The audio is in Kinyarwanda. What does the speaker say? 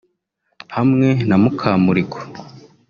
hamwe na Mukamurigo